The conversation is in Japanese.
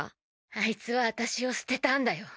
「あいつはあたしを捨てたんだよ」